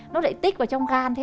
nó lại tích vào trong gạo